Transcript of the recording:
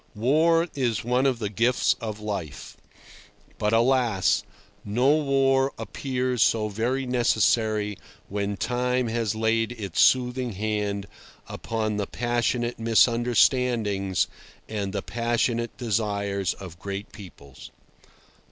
War is one of the gifts of life; but, alas! no war appears so very necessary when time has laid its soothing hand upon the passionate misunderstandings and the passionate desires of great peoples.